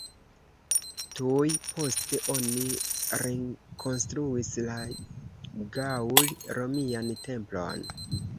Tuj poste oni rekonstruis la gaŭl-romian templon.